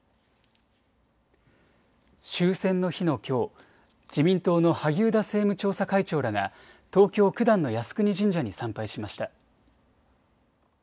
終戦の日のきょう自民党の萩生田政務調査会長らが東京九段の靖国神社に参拝しました。